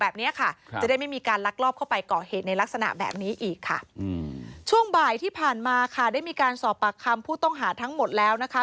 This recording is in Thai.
แบบนี้ค่ะจะได้ไม่มีการลักลอบเข้าไปก่อเหตุในลักษณะแบบนี้อีกค่ะช่วงบ่ายที่ผ่านมาค่ะได้มีการสอบปากคำผู้ต้องหาทั้งหมดแล้วนะคะ